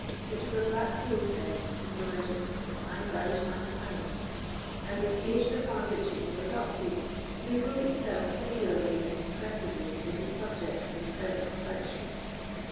It was a black bull's head, with the legend, "I bide my time"; and the occasion upon which it was adopted mingled itself singularly and impressively with the subject of his present reflections.